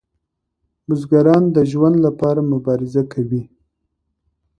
بزګران د ژوند لپاره مبارزه کوي.